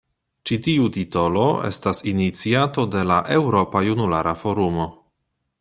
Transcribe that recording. Ĉi tiu titolo estas iniciato de la Eŭropa Junulara Forumo.